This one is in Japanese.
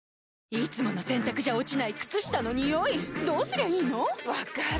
いつもの洗たくじゃ落ちない靴下のニオイどうすりゃいいの⁉分かる。